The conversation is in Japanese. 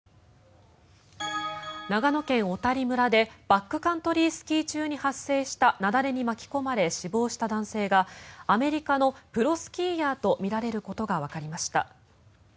長野県小谷村でバックカントリースキー中に発生した雪崩に巻き込まれ死亡した男性がアメリカのプロスキーヤーとみられることがわかりました。